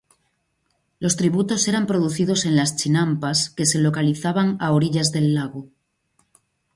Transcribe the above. Los tributos eran producidos en las chinampas que se localizaban a orillas del lago.